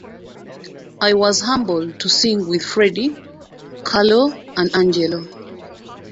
I was humbled to sing with Freddie, Carlo and Angelo.